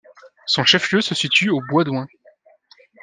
Son chef-lieu se situe au Bois-d'Oingt.